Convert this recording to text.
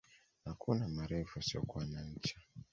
Hakuna marefu yasiyokuwa na ncha